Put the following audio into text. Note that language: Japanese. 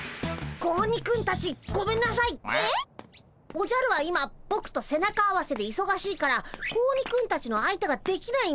おじゃるは今ぼくと背中合わせでいそがしいから子鬼くんたちの相手ができないんだ。